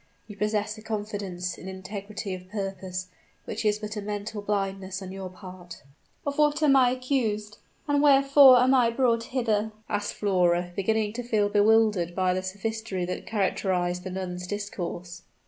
You possess a confidence in integrity of purpose, which is but a mental blindness on your part." "Of what am I accused? and wherefore am I brought hither?" asked Flora, beginning to feel bewildered by the sophistry that characterized the nun's discourse.